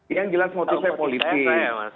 yang jelas motif saya politik